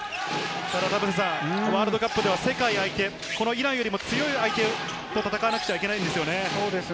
ワールドカップでは世界相手、イランよりも強い相手と戦わなくちゃいけないんですよね。